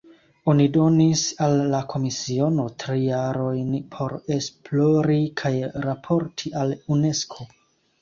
Oni donis al la komisiono tri jarojn por esplori kaj raporti al Unesko.